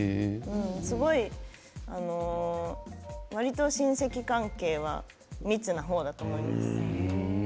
すごい、わりと親戚関係は密の方だと思います。